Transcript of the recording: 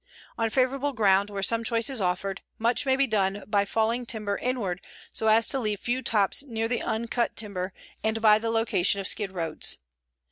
On favorable ground, where some choice is offered, much may be done by falling timber inward so as to leave few tops near the uncut timber and by the location of skidroads.